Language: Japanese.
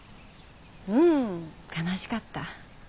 うん悲しかった。